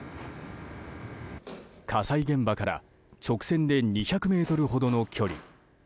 火災現場から直線で２００ｍほどの距離。